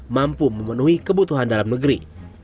mampu memenuhi kebutuhan dalam negeri